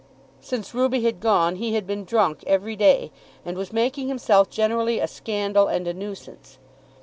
Since Ruby had gone he had been drunk every day, and was making himself generally a scandal and a nuisance.